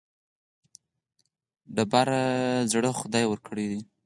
تیږه زړه خدای ورکړی.